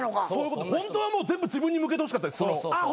ホントはもう全部自分に向けてほしかったです